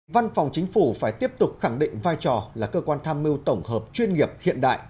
văn phòng chính phủ phải tiếp tục khẳng định vai trò là cơ quan tham mưu tổng hợp chuyên nghiệp hiện đại